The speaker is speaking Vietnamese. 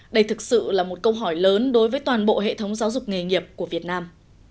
đây thực sự là một câu hỏi lớn đối với toàn bộ hệ thống giáo dục nghề nghiệp của việt nam